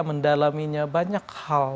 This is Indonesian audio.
mendalaminya banyak hal